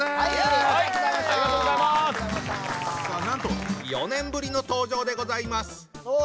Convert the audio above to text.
なんと４年ぶりの登場でございます。